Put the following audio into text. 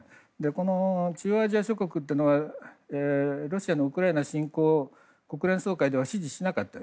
この中央アジア諸国というのはロシアのウクライナ侵攻を国連総会では支持しなかった。